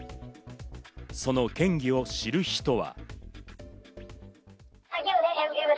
その県議を知る人は。